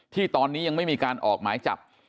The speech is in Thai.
ที่ตอนนี้ยังไม่มีการออกหมายจับ